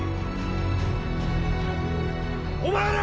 お前ら！！